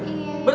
iya pak ya